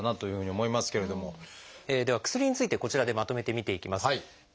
では薬についてこちらでまとめて見ていきます。